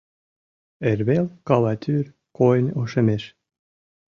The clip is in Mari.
Эрвел каватӱр койын ошемеш.